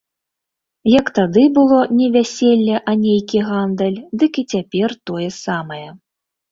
Як тады было не вяселле, а нейкі гандаль, дык і цяпер тое самае.